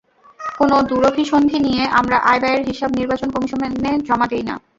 কোনো দুরভিসন্ধি নিয়ে আমরা আয়-ব্যয়ের হিসাব নির্বাচন কমিশনে জমা দিই না।